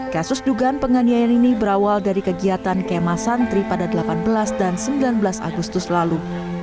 kasus dugaan penganiayaan ini berawal dari kegiatan kemah santri pada delapan belas dan sembilan belas agustus lalu